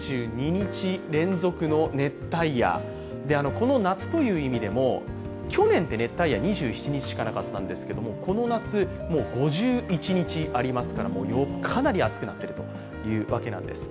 この夏という意味でも、去年って熱帯夜２７日しかなかったんですけどこの夏、もう５１日ありますから、かなり暑くなっているというわけなんです。